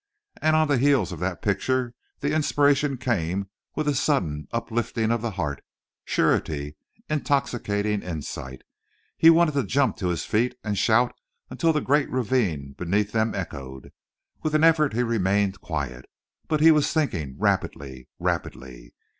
And on the heels of that picture the inspiration came with a sudden uplifting of the heart, surety, intoxicating insight. He wanted to jump to his feet and shout until the great ravine beneath them echoed. With an effort he remained quiet. But he was thinking rapidly rapidly.